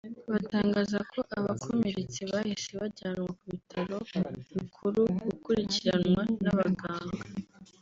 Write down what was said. batangaza ko abakomeretse bahise bajyanwa ku bitaro bikuru gukurikiranwa n’abaganga